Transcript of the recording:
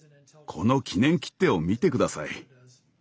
この記念切手を見て下さい。